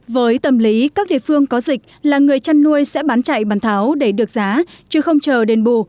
với tâm lý các địa phương có dịch là người chăn nuôi sẽ bán chạy bàn tháo để được giá chứ không chờ đền bù